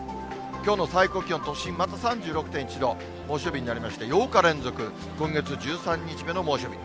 きょうの最高気温、都心また３６．１度、猛暑日になりまして、８日連続、今月１３日目の猛暑日。